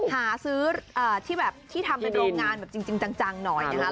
หาซื้อที่แบบที่ทำเป็นโรงงานแบบจริงจังหน่อยนะครับ